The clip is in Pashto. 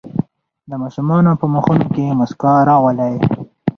د ماشومانو په مخونو کې مسکا راولئ.